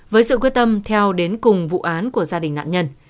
với sự quyết tâm theo đến cùng vụ án của gia đình nạn nhân